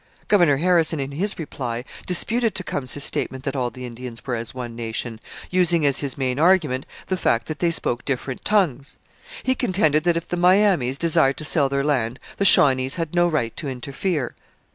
Governor Harrison in his reply disputed Tecumseh's statement that all the Indians were as one nation, using as his main argument the fact that they spoke different tongues. He contended that if the Miamis desired to sell their land, the Shawnees had no right to interfere.